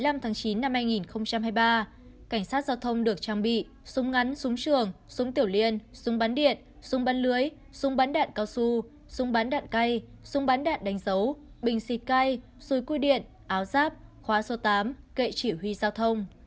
cảnh sát giao thông được trang bị súng ngắn súng trường súng tiểu liên súng bắn điện súng bắn lưới súng bắn đạn cao su súng bắn đạn cây súng bắn đạn đánh dấu bình xịt cây xui cui điện áo giáp khóa số tám kệ chỉ huy giao thông